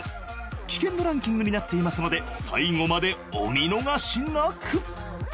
危険度ランキングになっていますので最後までお見逃しなく。